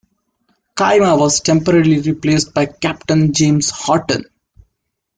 Cima was temporarily replaced by Captain James Horten.